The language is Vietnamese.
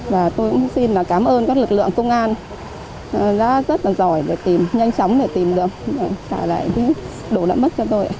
và tôi cũng xin cảm ơn các lực lượng công an đã rất là giỏi để tìm nhanh chóng để tìm được trả lại những đồ đã mất cho tôi